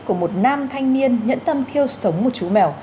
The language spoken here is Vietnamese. của một nam thanh niên nhẫn tâm thiêu sống một chú mèo